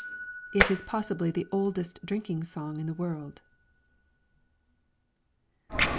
It is possibly the oldest drinking song in the world.